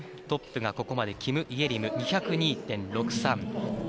トップがここまでキム・イェリム２０２．６３。